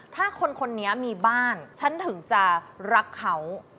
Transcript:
ถ้าคนคนนี้มีบ้านฉันถึงจะรักเขา